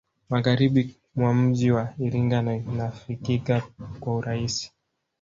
Magharibi mwa mji wa Iringa na inafikika kwa urahisi